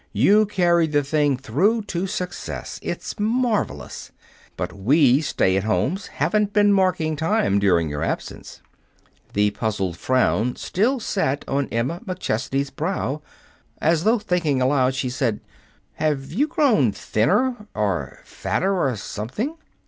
You carried the thing through to success. It's marvelous! But we stay at homes haven't been marking time during your absence." The puzzled frown still sat on Emma McChesney's brow. As though thinking aloud, she said, "Have you grown thinner, or fatter or something?"